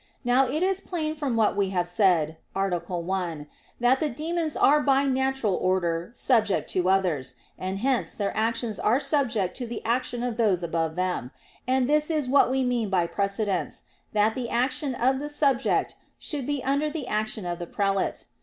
Now it is plain from what we have said (A. 1), that the demons are by natural order subject to others; and hence their actions are subject to the action of those above them, and this is what we mean by precedence that the action of the subject should be under the action of the prelate.